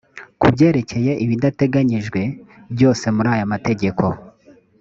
ku byerekeye ibidateganyijwe byose muri aya mategeko